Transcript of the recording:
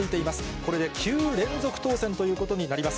これで９連続当選ということになります。